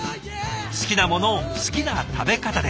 好きなものを好きな食べ方で。